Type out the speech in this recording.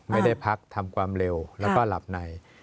ไม่ได้พักทำความเร็วแล้วก็หลับใน